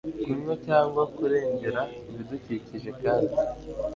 kunywa cyangwa kurengera ibidukikije kandi